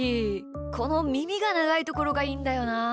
このみみがながいところがいいんだよな。